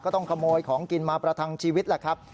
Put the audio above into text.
ต้องขโมยของกินมาประทังชีวิตแหละครับ